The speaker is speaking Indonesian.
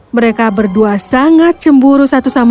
mereka berdua sangat cemburu